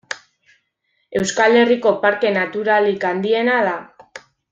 Euskal Herriko parke naturalik handiena da.